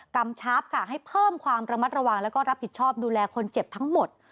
กำชับค่ะให้เพิ่มความระมัดระวังแล้วก็รับผิดชอบดูแลคนเจ็บทั้งหมด